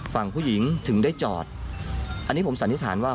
ฝั่งผู้หญิงถึงได้จอดอันนี้ผมสันนิษฐานว่า